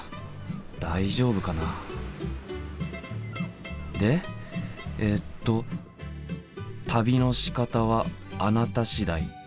大丈夫かな？でえっと「旅のしかたはあなた次第。